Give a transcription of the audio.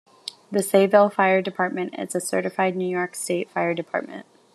The Sayville Fire Department is a certified New York State fire department.